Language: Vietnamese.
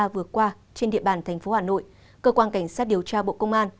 vừa qua trên địa bàn thành phố hà nội cơ quan cảnh sát điều tra bộ công an